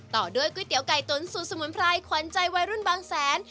ต่อด้วยก๋วยเตี๋ยไก่ตุ๋นสูตรสมุนไพรขวัญใจวัยรุ่นบางแสน